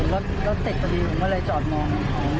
แล้วรถเต็กตะดีผมเมื่อไรจอดมอง